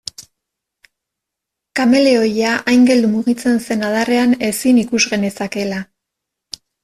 Kameleoia hain geldo mugitzen zen adarrean ezin ikus genezakeela.